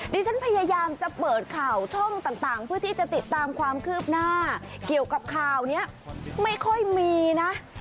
ดิฉันพยายามจะเปิดข่าวช่องต่างเพื่อที่จะติดตามความคืบหน้าเกี่ยวกับข่าวนี้ไม่ค่อยมีนะ